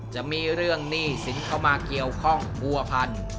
จะมีเรื่องหนี้สินเข้ามาเกี่ยวข้องผัวพัน